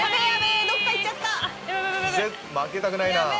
負けたくないな。